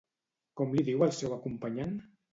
Com li diu al seu acompanyant?